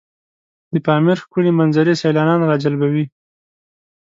د پامیر ښکلي منظرې سیلانیان راجلبوي.